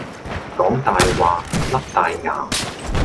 講大話，甩大牙